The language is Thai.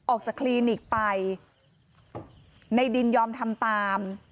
ออกจากคลินิกไปในดินยอมทำตาม